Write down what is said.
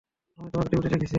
আমি তোমাকে টিভিতে দেখেছি।